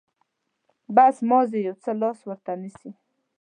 بس، مازې يو څه لاس ورته نيسه.